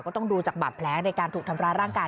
ก็ต้องดูจากหมับแผลกในการถูกทำลายร่างกาย